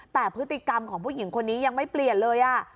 แต่พฤติกรรมของผู้หญิงคนนี้ยังไม่เปลี่ยนเลย